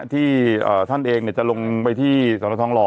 ที่ท่านเองจะลงไปที่สนทองหล่อ